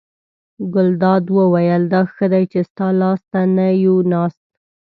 ګلداد وویل: دا ښه دی چې ستا لاس ته نه یو ناست.